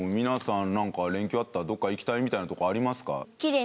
皆さん連休あったらどっか行きたいみたいなとこありますか？